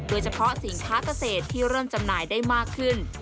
โดยเฉพาะสินค้าเกษตรที่เริ่มจำหน่ายได้มากขึ้น